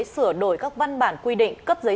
sửa đổi các văn bản quy định cấp giấy